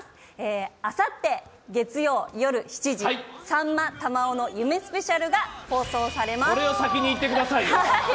あさって月曜夜７時、「さんま・玉緒の夢スペシャル」が放送されます。